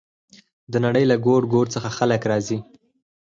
د نړۍ له ګوټ ګوټ څخه خلک راځي.